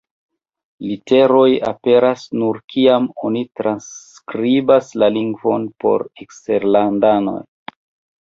Literoj aperas, nur kiam oni transskribas la lingvon por eksterlandanoj.